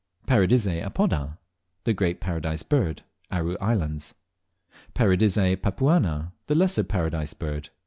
1. Paradisea apoda (The Great Paradise Bird). Aru Islands. 2. Paradisea papuana (The Lesser Paradise Bird).